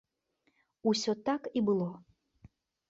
Усё так і было.